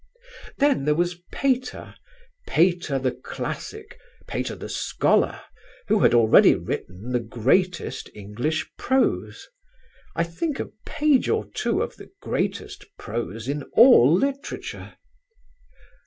"Then there was Pater, Pater the classic, Pater the scholar, who had already written the greatest English prose: I think a page or two of the greatest prose in all literature.